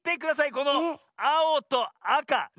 このあおとあか。ね。